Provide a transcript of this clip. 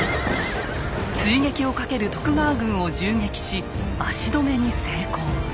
追撃をかける徳川軍を銃撃し足止めに成功。